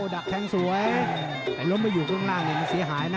ดักแทงสวยไอ้ล้มไปอยู่ข้างล่างเนี่ยมันเสียหายนะ